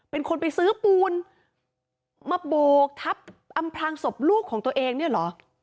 เป็นคนไปซื้อปูนมาโบกทับอำพลางศพลูกของตัวเองเนี่ยเหรอ